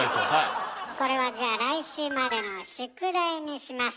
これはじゃあ来週までの宿題にします。